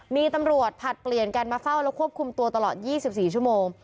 มีตำรวจผลัดเปลี่ยนกันมาเฝ้าแล้วควบคุมตัวตลอด๒๔ชั่วโมง